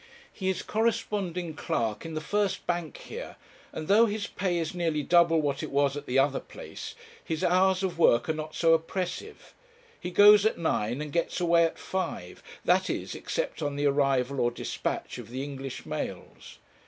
He is corresponding clerk in the first bank here, and though his pay is nearly double what it was at the other place, his hours of work are not so oppressive. He goes at nine and gets away at five that is, except on the arrival or dispatch of the English mails.'